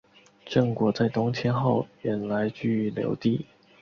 郑国在东迁后原来居于留地。